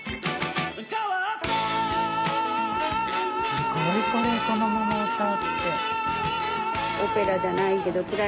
すごいこれこのまま歌うって。